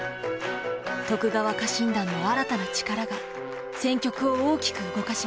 徳川家臣団の新たな力が戦局を大きく動かします。